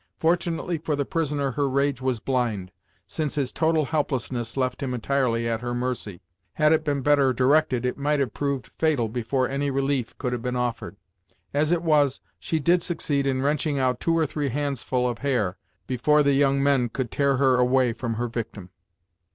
Fortunately for the prisoner her rage was blind; since his total helplessness left him entirely at her mercy. Had it been better directed it might have proved fatal before any relief could have been offered. As it was, she did succeed in wrenching out two or three handsful of hair, before the young men could tear her away from her victim.